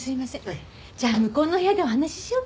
じゃあ向こうの部屋でお話ししようか。